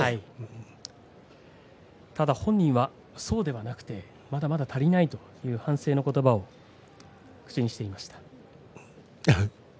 ただ本人はそうではなくてまだまだ足りないという反省のことばを口にしていました。